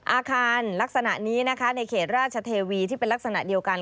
อาคารลักษณะนี้นะคะในเขตราชเทวีที่เป็นลักษณะเดียวกัน